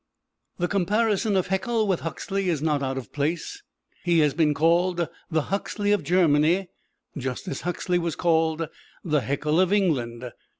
The comparison of Haeckel with Huxley is not out of place. He has been called the Huxley of Germany, just as Huxley was called the Haeckel of England.